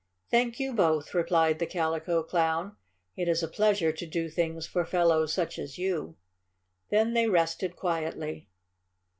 "Thank you, both," replied the Calico Clown. "It is a pleasure to do things for fellows such as you." Then they rested quietly.